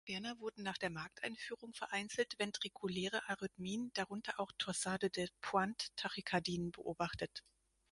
Ferner wurden nach der Markteinführung vereinzelt ventrikuläre Arrhythmien, darunter auch Torsade-de-Pointes-Tachykardien beobachtet.